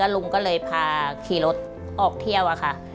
ลุงก็เลยพาขี่รถออกเที่ยวอะค่ะ